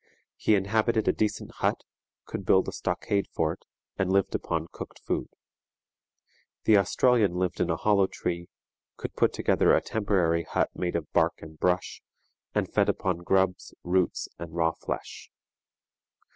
He inhabited a decent hut, could build a stockade fort, and lived upon cooked food. The Australian lived in a hollow tree, could put together a temporary hut made of bark and brush, and fed upon grubs, roots, and raw flesh.